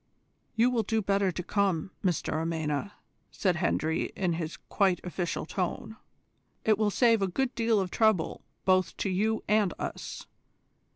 "You will do better to come, Mr Amena," said Hendry, in his quiet official tone; "it will save a good deal of trouble both to you and us.